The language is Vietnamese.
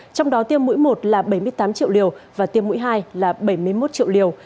trong đó tiêm mũi một là bảy mươi tám triệu liều và tiêm mũi hai là bảy mươi một triệu liều